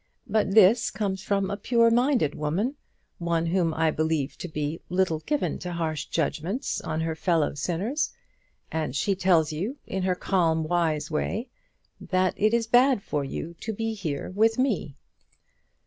But this comes from a pure minded woman, one whom I believe to be little given to harsh judgments on her fellow sinners; and she tells you, in her calm wise way, that it is bad for you to be here with me."